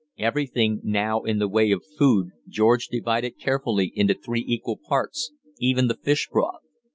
Everything now in the way of food George divided carefully into three equal parts, even the fish broth.